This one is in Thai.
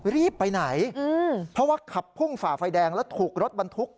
รีบไปไหนเพราะว่าขับพุ่งฝ่าไฟแดงแล้วถูกรถบรรทุก